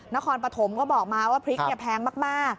นครปฐมก็บอกมาว่าพริกแพงมาก